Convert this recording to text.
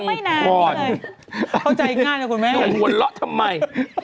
เข้าใจง่ายน่ะคุณแม่ขอโหลละทำไม